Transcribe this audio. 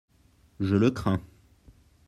Je le crains.